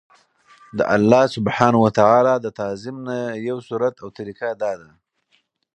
د الله سبحانه وتعالی د تعظيم نه يو صورت او طريقه دا ده